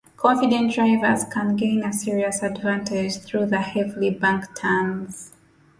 Confident drivers can gain a serious advantage through the heavily banked turns.